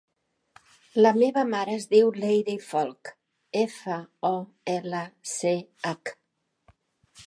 La meva mare es diu Leyre Folch: efa, o, ela, ce, hac.